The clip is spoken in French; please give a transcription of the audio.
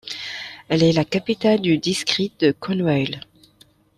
Elle est la capitale du district de Khanewal.